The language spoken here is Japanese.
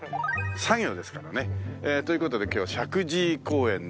「さ行」ですからね。という事で今日は石神井公園のですね